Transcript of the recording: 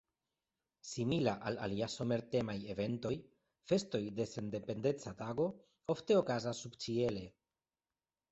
Simila al alia somer-temaj eventoj, festoj de Sendependeca Tago ofte okazas subĉiele.